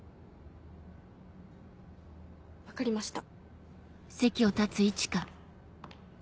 分かりました。